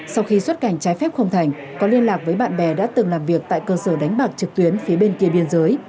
sau khi xuất cảnh trái phép không thành có liên lạc với bạn bè đã từng làm việc tại cơ sở đánh bạc trực tuyến phía bên kia biên giới